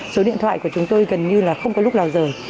số điện thoại của chúng tôi gần như là không có lúc nào giờ